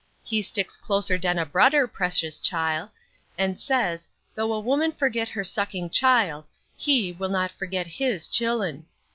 He sticks closer dan a brudder, precious chile, and says,'though a woman forget her sucking child, He will not forget His chillen.'